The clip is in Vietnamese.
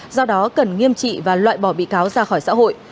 do đó cần nghiêm trị và loại bỏ bị cáo ra khỏi xã hội